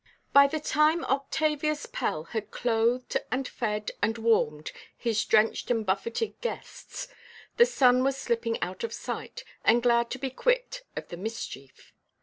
By the time Octavius Pell had clothed, and fed, and warmed his drenched and buffeted guests, the sun was slipping out of sight, and glad to be quit of the mischief.